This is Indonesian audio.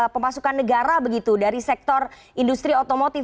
pemasukan negara begitu dari sektor industri otomotif